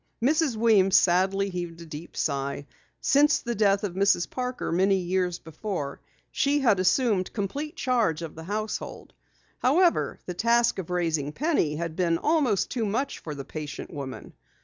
Mrs. Weems sadly heaved a deep sigh. Since the death of Mrs. Parker many years before, she had assumed complete charge of the household. However, the task of raising Penny had been almost too much for the patient woman.